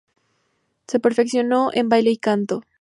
Se perfeccionó en baile y canto.